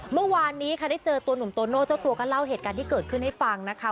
เมื่อวานนี้ค่ะได้เจอตัวหนุ่มโตโน่เจ้าตัวก็เล่าเหตุการณ์ที่เกิดขึ้นให้ฟังนะคะ